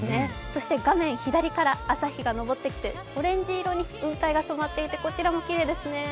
そして画面左から朝日が昇ってきてオレンジ色に雲海が染まっていてこちらもきれいですね。